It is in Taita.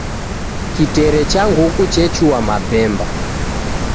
Kitere cha nguku chechua mabemba.